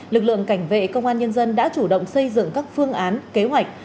lực lượng cảnh vệ công an nhân dân đã chủ động xây dựng các phương án kế hoạch